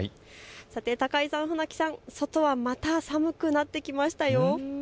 高井さん、船木さん、外はまた寒くなってきました。